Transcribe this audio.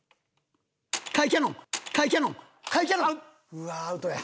うわあアウトや。